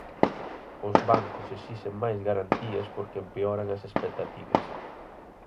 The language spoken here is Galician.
Os bancos esixen máis garantías porque empeoran as expectativas.